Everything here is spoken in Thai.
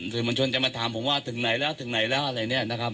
สื่อมวลชนจะมาถามผมว่าถึงไหนแล้วถึงไหนแล้วอะไรเนี่ยนะครับ